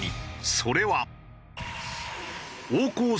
それは。